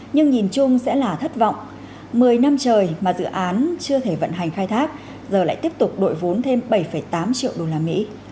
nhưng nhìn chung sẽ là thất vọng một mươi năm trời mà dự án chưa thể vận hành khai thác giờ lại tiếp tục đội vốn thêm bảy tám triệu đô la mỹ